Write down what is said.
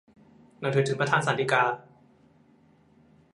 หนังสือถึงประธานศาลฎีกา